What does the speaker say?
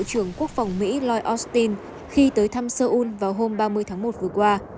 bộ trưởng quốc phòng mỹ lloyd austin khi tới thăm seoul vào hôm ba mươi tháng một vừa qua